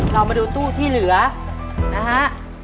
เรามาดูตู้ที่เหลือนะฮะ